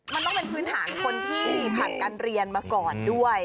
มันต้องเป็นพื้นฐานคนที่ผ่านการเรียนมาก่อนด้วย